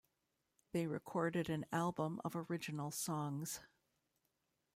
They recorded an album of original songs.